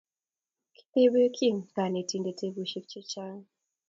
Kitebe Kim konetindet tebushek chechang